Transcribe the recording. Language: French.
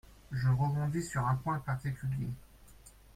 Je rebondis sur un point particulier.